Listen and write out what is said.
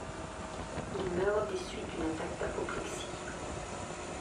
Il meurt des suites d'une attaque d'apoplexie.